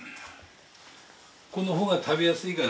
このほうが食べやすいから。